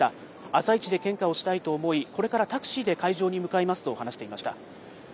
朝一で献花をしたいと思い、これからタクシーで会場に向かいますと話していました。